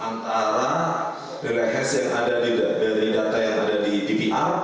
antara nilai hes yang ada dari data yang ada di dp